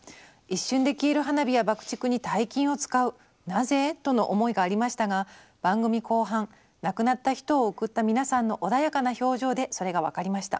一瞬で消える花火や爆竹に大金を使う『なぜ？』との思いがありましたが番組後半亡くなった人を送った皆さんの穏やかな表情でそれが分かりました。